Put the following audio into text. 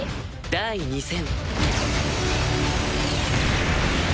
第２戦。